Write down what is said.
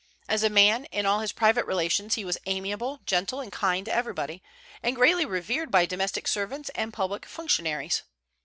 As a man, in all his private relations he was amiable, gentle, and kind to everybody, and greatly revered by domestic servants and public functionaries.